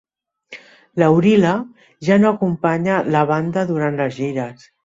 Laurila ja no acompanya la banda durant les gires.